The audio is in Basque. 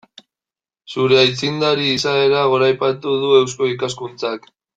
Zure aitzindari izaera goraipatu du Eusko Ikaskuntzak.